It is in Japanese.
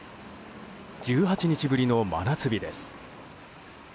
１８日ぶりの真夏日です。